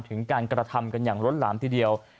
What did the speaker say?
ถึงการกระทำกันอย่างล้นหลามทีเดียว